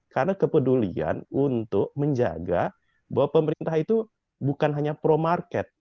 karena kepedulian untuk menjaga bahwa pemerintah itu bukan hanya pro market